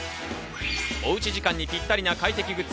おうち時間にぴったりな快適グッズ。